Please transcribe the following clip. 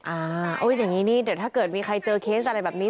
อย่างนี้นี่เดี๋ยวถ้าเกิดมีใครเจอเคสอะไรแบบนี้